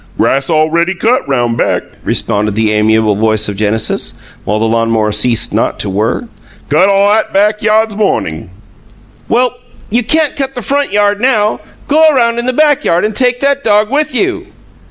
"Grass awready cut roun' back," responded the amiable voice of Genesis, while the lawnmower ceased not to whir. "Cut all 'at back yod 's mawnin'." "Well, you can't cut the front yard now. Go around in the back yard and take that dog with you."